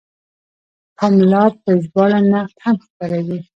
پملا په ژباړه نقد هم خپروي.